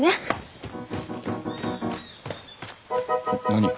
何？